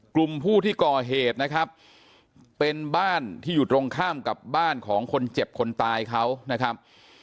กลุ่มผู้ที่ก่อเหตุนะครับเป็นบ้านที่อยู่ตรงข้ามกับบ้านของคนเจ็บคนตายเขานะครับ